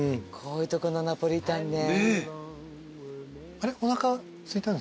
こういうとこのナポリタンね。